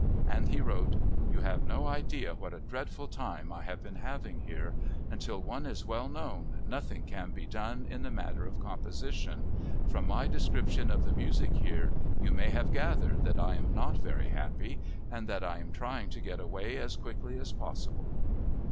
And he wrote, "You have no idea what a dreadful time I have been having here ... until one is well known nothing can be done in the matter of composition.... From my description of the music here you may have gathered that I am not very happy and that I am trying to get away as quickly as possible."